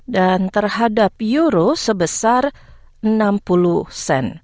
dan terhadap rupiah sebesar sepuluh dua ratus delapan puluh empat lima belas sen